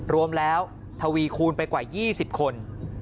รวมแล้วทวีคูณไปกว่า๒๐คน